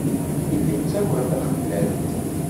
Yella yettaker taxlalt.